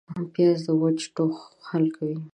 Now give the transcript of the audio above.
پیاز د وچ ټوخ حل کوي